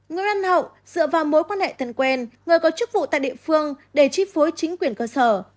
người ăn hậu dựa vào mối quan hệ thân quen người có chức vụ tại địa phương để chi phối chính quyền cơ sở